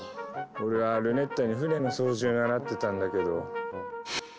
俺はルネッタに船の操縦習ってたんだけど。